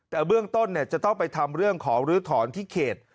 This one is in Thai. แต่เบื้องต้นจะต้องไปทำเรื่องขอลื้อถอนที่เขต